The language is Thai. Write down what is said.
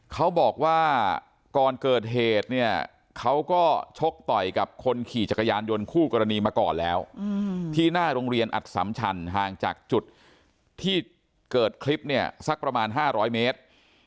เขาบอกว่าก่อนเกิดเหตุเนี่ยเขาก็ชกต่อยกับคนขี่จักรยานยนต์คู่กรณีมาก่อนแล้วที่หน้าโรงเรียนอัดสำชันห่างจากจุดที่เกิดคลิปเนี่ยสักประมาณ๕๐๐เมตร